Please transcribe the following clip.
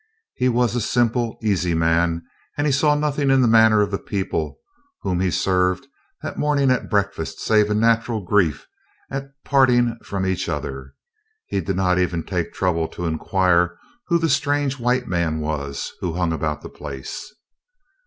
He was a simple, easy man, and he saw nothing in the manner of the people whom he served that morning at breakfast save a natural grief at parting from each other. He did not even take the trouble to inquire who the strange white man was who hung about the place.